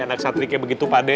anak satriknya begitu pade